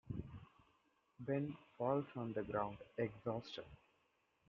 Ben falls on the ground, exhausted.